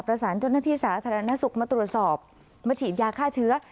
เจ้าหน้าที่สาธารณสุขมาตรวจสอบมาฉีดยาฆ่าเชื้อ